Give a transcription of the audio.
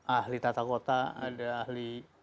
ahli tata kota ada ahli